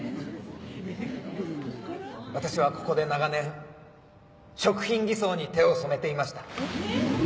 私はここで長年食品偽装に手を染めていました。